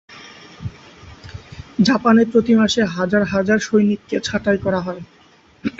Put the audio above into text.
জাপানে প্রতি মাসে হাজার হাজার সৈনিককে ছাটাই করা হয়।